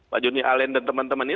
pak joni alen dan teman teman ini